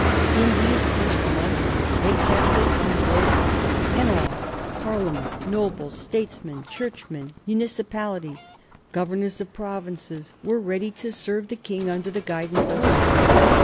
In these first months they kept it unbroken, and all. Parliament, nobles, statesmen, churchmen, munici palities, governors of provinces, were ready " to serve the King under the guidance of the Queen."